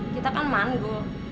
kita kan manggul